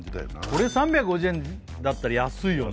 これ３５０円だったら安いよね